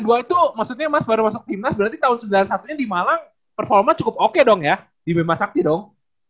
dua itu maksudnya mas baru masuk timnas berarti tahun sembilan puluh satu nya di malang performa cukup oke dong ya di bima sakti dong